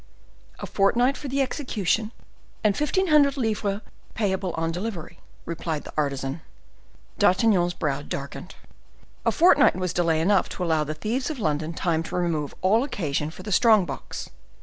"A fortnight for the execution, and fifteen hundred livres payable on delivery," replied the artisan. D'Artagnan's brow darkened. A fortnight was delay enough to allow the thieves of London time to remove all occasion for the strong box.